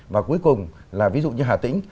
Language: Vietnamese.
và cuối cùng là ví dụ như hà tĩnh